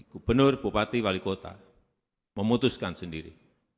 gubernur bupati wali kota memutuskan sendiri